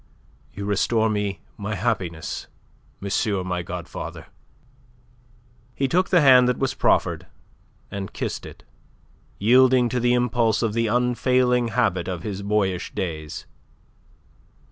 You restore me my happiness, monsieur my godfather." He took the hand that was proffered and kissed it, yielding to the impulse of the unfailing habit of his boyish days.